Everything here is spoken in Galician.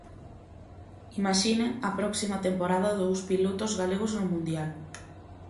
Imaxinen a próxima temporada dous pilotos galegos no mundial.